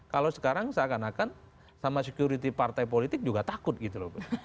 kalau sekarang seakan akan sama security partai politik juga takut gitu loh